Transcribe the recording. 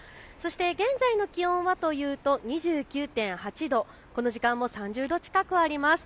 現在の気温はというと２９．８度、この時間も３０度近くあります。